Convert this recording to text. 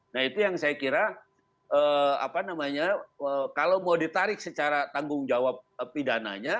nah itu yang saya kira kalau mau ditarik secara tanggung jawab pidananya